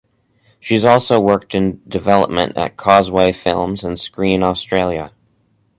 She has also worked in development at Causeway Films and Screen Australia.